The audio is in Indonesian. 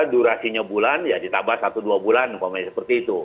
durasinya bulan ya ditambah satu dua bulan umpamanya seperti itu